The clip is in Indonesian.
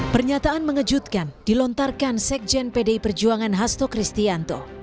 pernyataan mengejutkan dilontarkan sekjen pdi perjuangan hasto kristianto